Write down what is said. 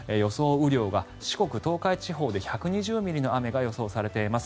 雨量が四国東海地方で１２０ミリの雨が予想されています。